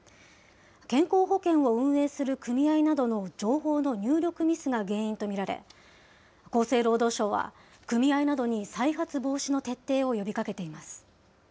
健康保険を運営する組合などの情報の入力ミスが原因と見られ、厚生労働省は組合などに再発防止の徹底を呼びかけています。